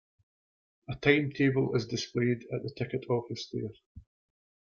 A timetable is displayed at the ticket office there.